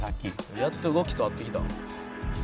「やっと動きと合ってきた」